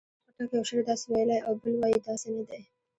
خوشحال خټک یو شعر داسې ویلی او بل وایي داسې نه دی.